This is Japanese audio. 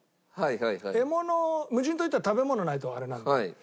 獲物を無人島行ったら食べ物ないとあれなんで。